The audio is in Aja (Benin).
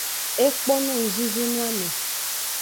Ekpo no ngzinzin noame.